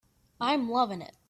I'm loving it.